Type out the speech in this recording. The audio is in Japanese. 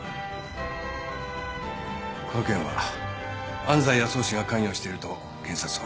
この件は安斎康雄氏が関与していると検察は。